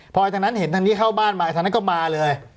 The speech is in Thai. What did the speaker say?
พอทางนั้นเห็นทางนี้เข้าบ้านมาทางนั้นก็มาเลย